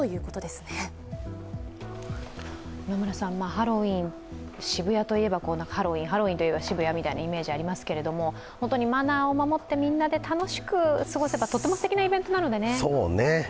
ハロウィーン、渋谷といえばハロウィーン、ハロウィーンといえば渋谷という感じですが、本当にマナーを守ってみんなで楽しく過ごせばとてもすてきなイベントなのでね。